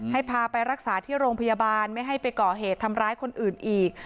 ให้พาไปรักษาที่โรงพยาบาลไม่ให้ไปก่อเหตุทำร้ายคนอื่นอีก